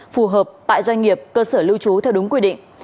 phù hợp tại doanh nghiệp cơ sở lưu trú theo đúng quy định